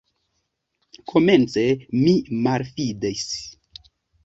Komence mi malfidis.